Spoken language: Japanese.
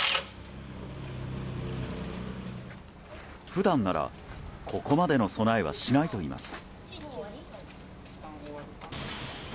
普段なら、ここまでの備えはしないといいます。